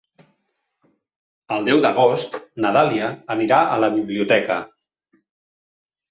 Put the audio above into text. El deu d'agost na Dàlia anirà a la biblioteca.